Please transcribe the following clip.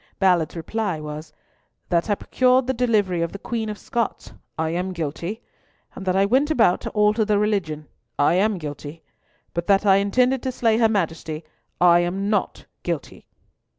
Ballard's reply was, "That I procured the delivery of the Queen of Scots, I am guilty; and that I went about to alter the religion, I am guilty; but that I intended to slay her Majesty, I am not guilty."